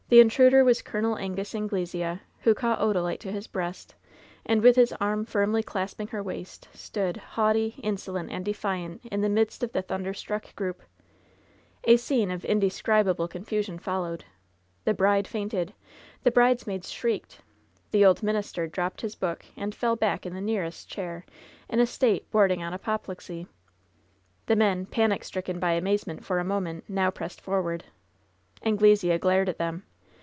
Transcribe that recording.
The intruder was Col. Angus Anglesea, who caught Odalite to his breast, and with his arm finnly clasping her waist, stood, haughty, insolent and defiwt, in the midst of the thunderstruck group. A scene of indescribable confusion followed. The bride fainted, the bridesmaids shrieked, the old minister dropped his book, and fell back in the nearest chair, in a state bordering on apoplexy. liDVE'S BITTEREST CUP 87 The men, panic stricken by amazement for a moment, now pressed forward. Anglesea glared at them.